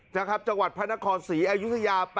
นะครับจังหวัดพระนครศรีอายุธยา